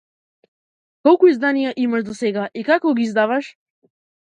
Колку изданија имаш досега и како ги издаваш?